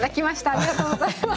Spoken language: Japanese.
ありがとうございます。